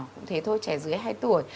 cũng thế thôi trẻ dưới hai tuổi